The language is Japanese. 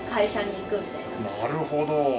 なるほど。